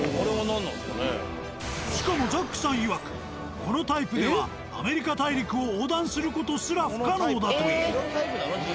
しかもザックさんいわくこのタイプではアメリカ大陸を横断する事すら不可能だという。